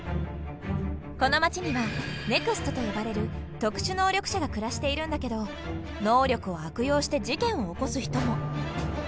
この街には「ＮＥＸＴ」と呼ばれる特殊能力者が暮らしているんだけど能力を悪用して事件を起こす人も。